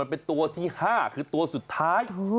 เป็นตัวที่๕คือตัวสุดท้าย